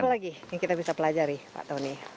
apa lagi yang kita bisa pelajari pak tony